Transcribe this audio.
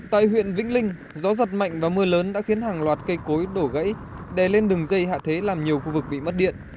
tại huyện vĩnh linh gió giật mạnh và mưa lớn đã khiến hàng loạt cây cối đổ gãy đè lên đường dây hạ thế làm nhiều khu vực bị mất điện